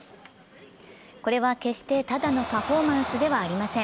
これは決してただのパフォーマンスではありません。